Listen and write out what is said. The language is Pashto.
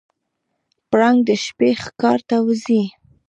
پړانګ د شپې ښکار ته وځي.